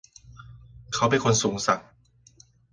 เขาเป็นคนสูงศักดิ์